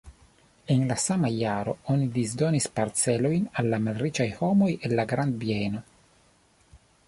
En la sama jaro oni disdonis parcelojn al la malriĉaj homoj el la grandbieno.